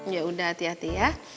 ya udah hati hati ya